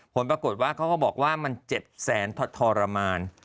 โพลปรากฏว่าเขาก็บอกว่ามันเจ็ดแสนทรมรรณ